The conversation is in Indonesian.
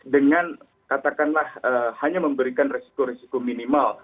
dengan katakanlah hanya memberikan resiko risiko minimal